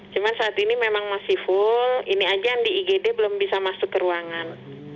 cuma saat ini memang masih full ini aja yang di igd belum bisa masuk ke ruangan